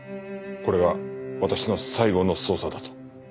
これが私の最後の捜査だと。